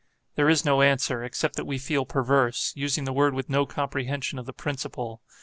There is no answer, except that we feel perverse, using the word with no comprehension of the principle.